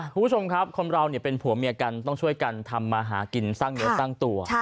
คุณผู้ชมครับคนเราเป็นผัวเมียกันต้องช่วยกันทำมาหากินสร้างเนื้อสร้างตัว